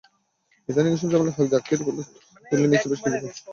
ইদানীং এসব ঝামেলা-ঝক্কি কাঁধে তুলে নিয়েছে বেশ কিছু প্রফেশনাল হোম ক্লিনিং সার্ভিস।